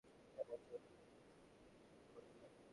এবার চলো, লেক্সকে মুক্ত করা যাক।